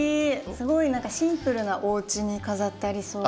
すごい何かシンプルなおうちに飾ってありそう。